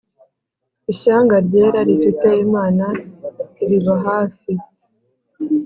Ishyanga ryera rifite Imana iriba hafi